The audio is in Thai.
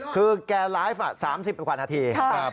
คือแกไลฟ์๓๐นาที